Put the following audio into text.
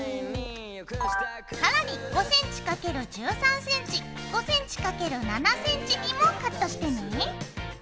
更に５ｃｍ×１３ｃｍ５ｃｍ×７ｃｍにもカットしてね。